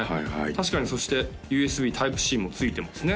確かにそしてＵＳＢｔｙｐｅ−Ｃも付いてますね